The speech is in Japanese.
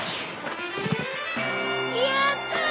やったあ！